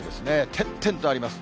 点々とあります。